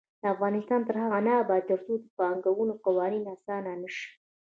افغانستان تر هغو نه ابادیږي، ترڅو د پانګونې قوانین اسانه نشي.